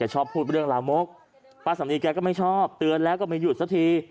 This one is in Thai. ชอบพูดเรื่องลามกป้าสำนีแกก็ไม่ชอบเตือนแล้วก็ไม่หยุดสักที